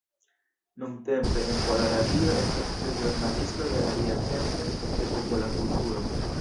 Nuntempe en Pola Radio estas ĵurnalisto de Radia Centro de Popola Kulturo.